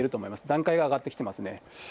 段階が上がってきてますね。